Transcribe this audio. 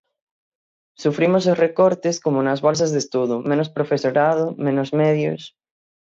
Sufrimos os recortes, como nas bolsas de estudo, menos profesorado, menos medios...